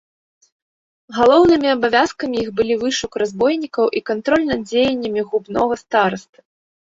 Галоўнымі абавязкамі іх былі вышук разбойнікаў і кантроль над дзеяннямі губнога старасты.